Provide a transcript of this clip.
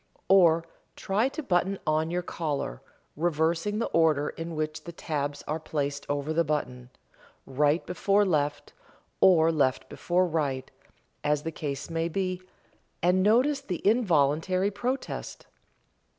Or try to button on your collar, reversing the order in which the tabs are placed over the button right before left, or left before right, as the case may be, and notice the involuntary protest.